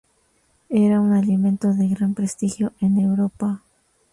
Era un alimento de gran prestigio en Europa.